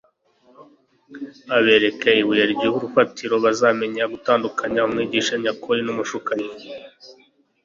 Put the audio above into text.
Abereka ibuye ry'urufatiro bazamenyeraho gutandukanya umwigisha nyakuri n'umushukanyi: